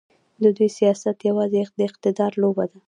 د دوی سیاست یوازې د اقتدار لوبه ده.